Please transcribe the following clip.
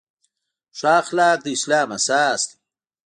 ښه اخلاق د اسلام اساس دی.